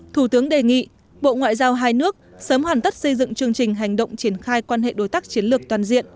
thủ tướng đề nghị bộ ngoại giao hai nước sớm hoàn tất xây dựng chương trình hành động triển khai quan hệ đối tác chiến lược toàn diện